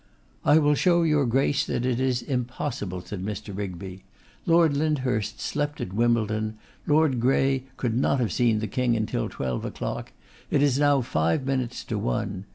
'I will show your Grace that it is impossible,' said Mr. Rigby, 'Lord Lyndhurst slept at Wimbledon. Lord Grey could not have seen the King until twelve o'clock; it is now five minutes to one.